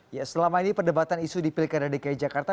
ya selama ini perdebatan isu di pilkada dki jakarta